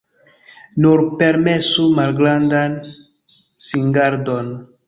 Nur permesu malgrandan singardon.